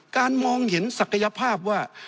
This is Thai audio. มองเห็นศักยภาพว่า